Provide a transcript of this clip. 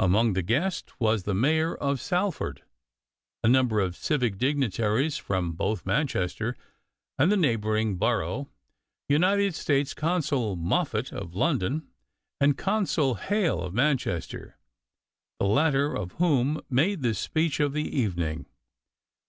Among the guests were the Mayor of Salford, a number of civic dignitaries from both Manchester and the neighboring borough, United States Consul Moffat of London and Consul Hale of Manchester, the latter of whom made the speech of the evening.